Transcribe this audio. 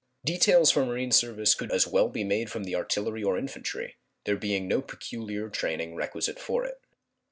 Details for marine service could as well be made from the artillery or infantry, there being no peculiar training requisite for it.